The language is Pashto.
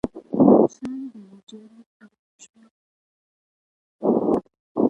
روسان د ویجاړۍ او وژنو پراخه تجربه لري.